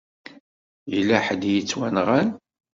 Yella ḥedd i yettwanɣan.